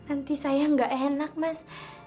enggak enak mas